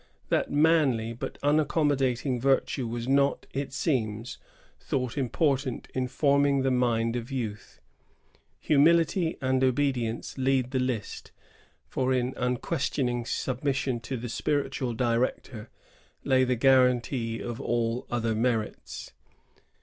That manly but unaccom modating virtue was not, it seems, thought important in forming the mind of youth. Humility and obedi ence lead the list; for in unquestioning submission to the spiritual director lay the guaranty of all other merits.